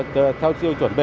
theo tiêu chuẩn b